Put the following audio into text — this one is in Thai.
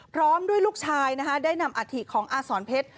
พร้อมด้วยลูกชายนะฮะได้นำอาทิตย์ของอาสรเพชร